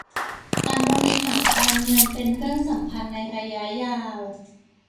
การบริหารการเงินเป็นเรื่องสำคัญในระยะยาว